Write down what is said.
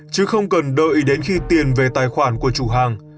chứ không cần đợi đến khi tiền về tài khoản của chủ hàng